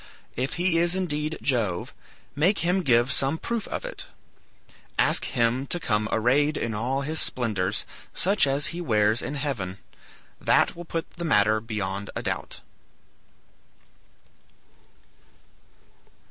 If he is indeed Jove, make him give some proof of it. Ask him to come arrayed in all his splendors, such as he wears in heaven. That will put the matter beyond a doubt."